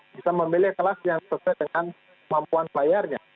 bisa memilih kelas yang sesuai dengan kemampuan bayarnya